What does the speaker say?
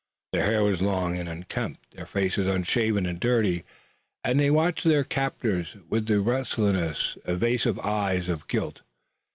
Their hair was long and unkempt, their faces unshaven and dirty, and they watched their captors with the restless, evasive eyes of guilt.